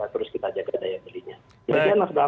terus kita jaga daya belinya